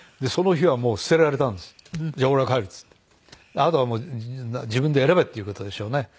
あとはもう自分で選べっていう事でしょうね。